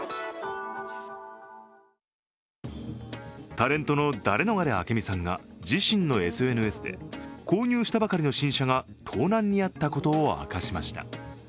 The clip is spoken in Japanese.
タレントのダレノガレ明美さんが自身のＳＮＳで購入したばかりの新車が盗難に遭ったことを明かしました。